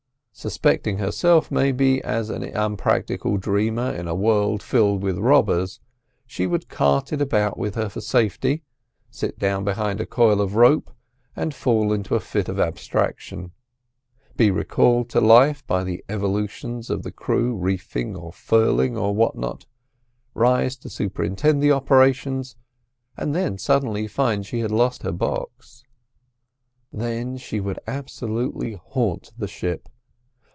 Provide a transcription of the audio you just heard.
Suspecting herself, maybe, as an unpractical dreamer in a world filled with robbers, she would cart it about with her for safety, sit down behind a coil of rope and fall into a fit of abstraction: be recalled to life by the evolutions of the crew reefing or furling or what not, rise to superintend the operations—and then suddenly find she had lost her box. Then she would absolutely haunt the ship.